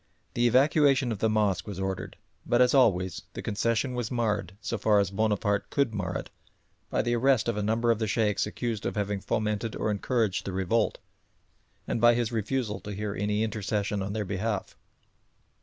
The evacuation of the mosque was ordered, but, as always, the concession was marred, so far as Bonaparte could mar it, by the arrest of a number of the Sheikhs accused of having fomented or encouraged the revolt, and by his refusal to hear any intercession on their behalf.